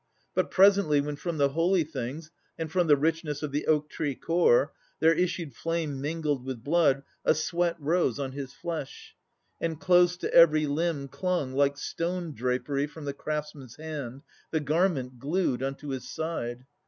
But presently, when from the holy things, And from the richness of the oak tree core, There issued flame mingled with blood, a sweat Rose on his flesh, and close to every limb Clung, like stone drapery from the craftsman's hand, The garment, glued unto his side.